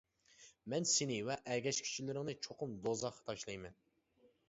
مەن سېنى ۋە ئەگەشكۈچىلىرىڭنى چوقۇم دوزاخقا تاشلايمەن.